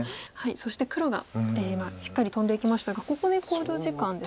そして黒が今しっかりトンでいきましたがここで考慮時間ですね。